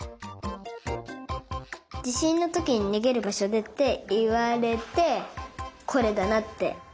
じしんのときににげるばしょでっていわれてこれだなって。